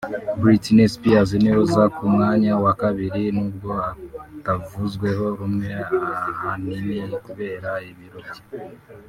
Britney Spears niwe uza ku mwanya wa kabili n’ubwo atavuzweho rumwe ahanini kubera ibiro bye